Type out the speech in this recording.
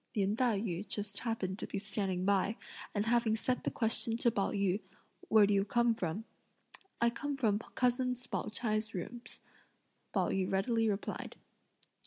Lin Tai yü just happened to be standing by, and having set the question to Pao yü "Where do you come from?" "I come from cousin Pao ch'ai's rooms," Pao yü readily replied.